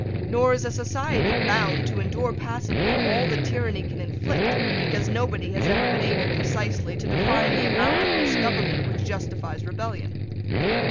Nor is a society bound to endure passively all that tyranny can inflict, because nobody has ever been able precisely to define the amount of misgovernment which justifies rebellion.